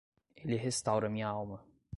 Ele restaura minha alma.